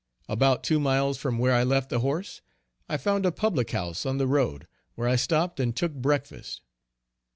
About two miles from where I left the horse, I found a public house on the road, where I stopped and took breakfast.